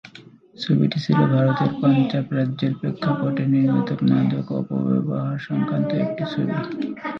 ছবিটি ছিল ভারতের পাঞ্জাব রাজ্যের প্রেক্ষাপটে নির্মিত মাদক অপব্যবহার-সংক্রান্ত একটি ছবি।